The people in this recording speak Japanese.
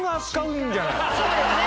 そうですね。